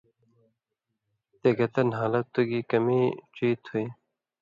تے، گتہ نھالہ، تُو گی کمی ڇی تُھو یی؟